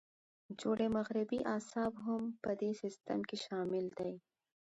جوړې مغزي اعصاب هم په دې سیستم کې شامل دي.